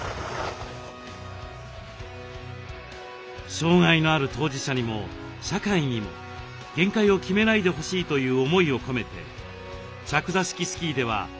障害のある当事者にも社会にも限界を決めないでほしいという思いを込めて着座式スキーでは前例のない挑戦を計画しています。